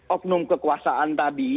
oknum kekuasaan tadi